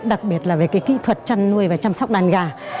đặc biệt là về cái kỹ thuật chăn nuôi và chăm sóc đàn gà